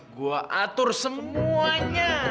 gue atur semuanya